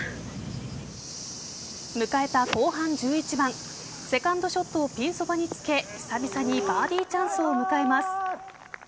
迎えた後半１１番セカンドショットをピンそばにつけ、久々にバーディーチャンスを迎えます。